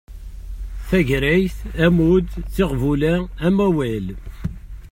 Tagrayt, ammud, tiɣbula, amawal